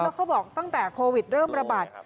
แล้วเขาบอกตั้งแต่โควิดเริ่มระบาด